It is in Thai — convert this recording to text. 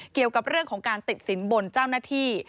เกี่ยวกับเรื่องของการติดสินบนเจ้าหน้าที่